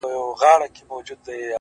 ددې ښايستې نړۍ بدرنگه خلگ!!